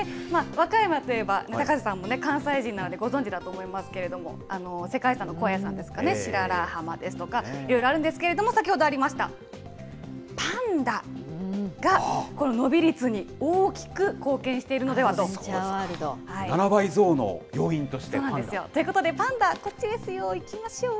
和歌山といえば、高瀬さんも関西人なのでご存じだと思いますけれども、世界遺産の高野山ですとか、白良浜ですとか、いろいろあるんですけれども、先ほどありました、パンダがこの伸び率に大きく貢献７倍増の要因としてパンダが。ということで、パンダ、こっちですよ。いきましょう。